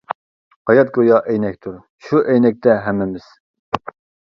ھايات گويا ئەينەكتۇر، شۇ ئەينەكتە ھەممىمىز.